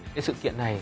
cái sự kiện này